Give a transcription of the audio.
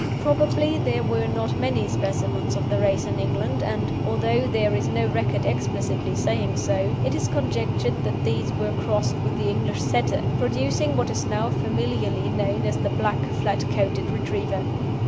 Probably there were not many specimens of the race in England, and, although there is no record explicitly saying so, it is conjectured that these were crossed with the English Setter, producing what is now familiarly known as the black, flat coated Retriever.